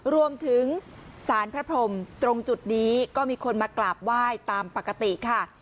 รวมถึงสารพระพรมตรงจุดนี้ก็มีคนมากราบไหว้ตามปกติค่ะ